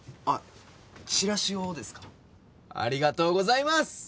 ありがとうございます！